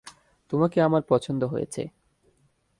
তোমাকে আমার পছন্দ হয়েছে।